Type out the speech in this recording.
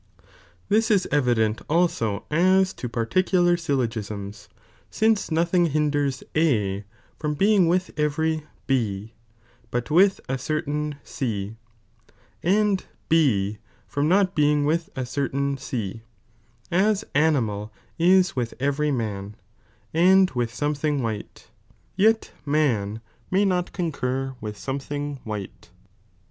i This is evident abo as to particular syllogiaras, lince nothing hinders A from being with every B, bot with B certain C, and B from not being with a certain C, as animal is with every man, and with something white, yet man may not concur with something white.